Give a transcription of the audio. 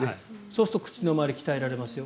そうすると口の周りが鍛えられますよ。